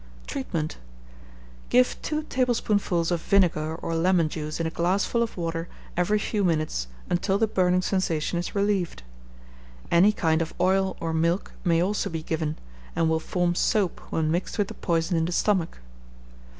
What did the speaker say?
Treatment. Give two tablespoonfuls of vinegar or lemon juice in a glassful of water every few minutes until the burning sensation is relieved. Any kind of oil or milk may also be given, and will form soap when mixed with the poison in the stomach.